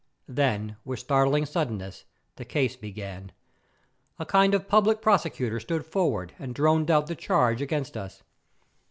Then with startling suddenness the case began. A kind of public prosecutor stood forward and droned out the charge against us.